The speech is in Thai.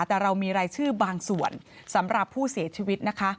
แต่เรามีรายชื่อบางส่วนสำหรับผู้เสียชีวิตนะคะ